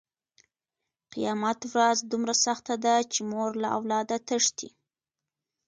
قیامت ورځ دومره سخته ده چې مور له اولاده تښتي.